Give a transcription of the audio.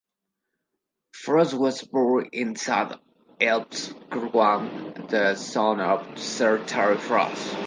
Frost was born in Saint Ives, Cornwall, the son of Sir Terry Frost.